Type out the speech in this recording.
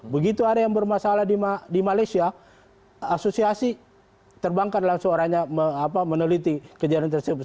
begitu ada yang bermasalah di malaysia asosiasi terbangkan langsung orangnya meneliti kejadian tersebut